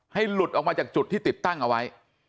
หลุดออกมาจากจุดที่ติดตั้งเอาไว้